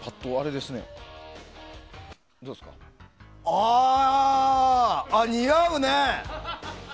ああ、似合うね。